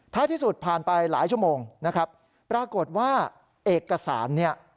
ถ้าที่สุดผ่านไปหลายชั่วโมงปรากฏว่าเอกสาร